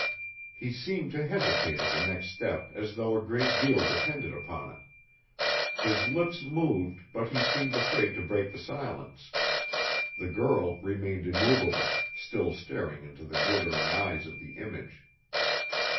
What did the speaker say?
He seemed to hesitate at the next step as though a great deal depended upon it. His lips moved, but he seemed afraid to break the silence. The girl remained immovable, still staring into the glittering eyes of the image.